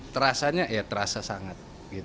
terasanya ya terasa sangat